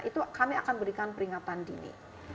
itu kami akan berikan peringatan dini